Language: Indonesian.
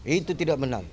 itu tidak benar